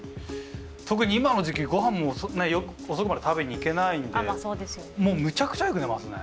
特に今の時期ごはんも遅くまで食べに行けないんでもうむちゃくちゃよく寝ますね。